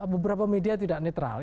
beberapa media tidak netral